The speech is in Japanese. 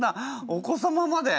お子様まで！